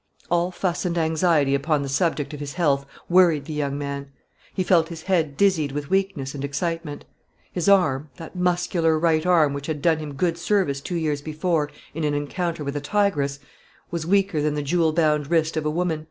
All fuss and anxiety upon the subject of his health worried the young man. He felt his head dizzied with weakness and excitement; his arm that muscular right arm, which had done him good service two years before in an encounter with a tigress was weaker than the jewel bound wrist of a woman.